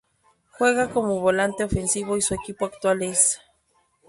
Juega como volante ofensivo y su equipo actual es